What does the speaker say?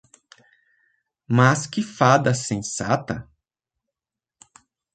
Mas que fada sensata!